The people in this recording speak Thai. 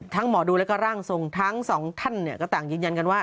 ทั้งหมอดูและก็ร่างทรงทั้ง๒ท่านเนี่ยก็ต่างยืนยันกันว่า